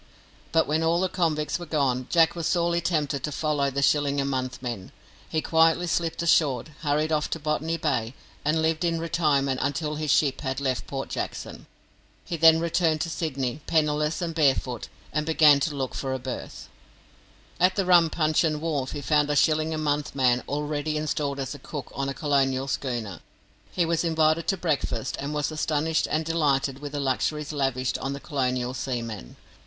But when all the convicts were gone, Jack was sorely tempted to follow the shilling a month men. He quietly slipped ashore, hurried off to Botany Bay, and lived in retirement until his ship had left Port Jackson. He then returned to Sydney, penniless and barefoot, and began to look for a berth. At the Rum Puncheon wharf he found a shilling a month man already installed as cook on a colonial schooner. He was invited to breakfast, and was astonished and delighted with the luxuries lavished on the colonial seaman.